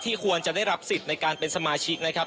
ควรจะได้รับสิทธิ์ในการเป็นสมาชิกนะครับ